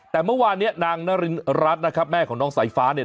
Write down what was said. แต่เมื่อวานเนี่ยนางนารินรัฐนะครับแม่ของน้องสายฟ้าเนี่ย